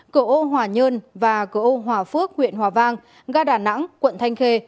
cửa ô hòa nhơn và cửa ô hòa phước huyện hòa vang gà đà nẵng quận thanh khê